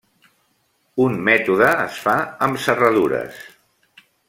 Un mètode es fa amb serradures.